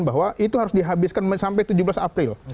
bahwa itu harus dihabiskan sampai tujuh belas april